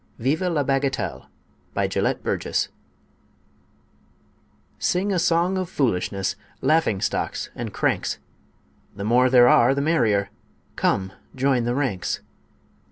VIVE LA BAGATELLE BY GELETT BURGESS Sing a song of foolishness, laughing stocks and cranks! The more there are the merrier; come join the ranks!